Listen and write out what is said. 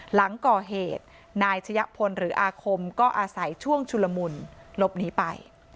หลังก่อเหตุนายชะยะพลหรืออาคมก็อาศัยช่วงชุลมุนหลบหนีไป